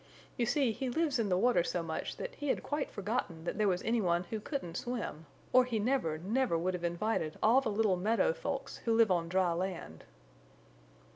You see he lives in the water so much that he had quite forgotten that there was anyone who couldn't swim, or he never, never would have invited all the little meadow folks who live on dry land.